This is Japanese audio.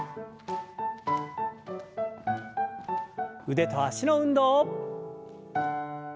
腕と脚の運動。